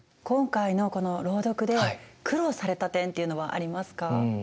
今回のこの朗読で苦労された点というのはありますか？